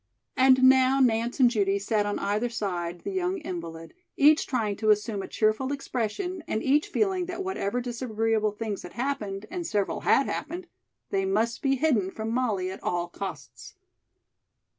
And now Nance and Judy sat on either side the young invalid, each trying to assume a cheerful expression and each feeling that whatever disagreeable things had happened and several had happened they must be hidden from Molly at all costs.